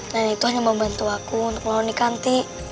dan itu hanya membantu aku untuk melawan ikanti